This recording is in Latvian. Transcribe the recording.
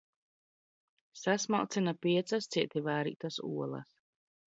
Sasmalcina piecas cieti vārītas olas.